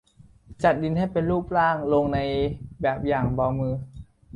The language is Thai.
จัดดินให้เป็นรูปร่างลงในแบบอย่างเบามือ